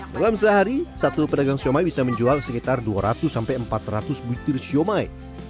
dalam sehari satu pedagang siomay bisa menjual sekitar dua ratus empat ratus butir siomay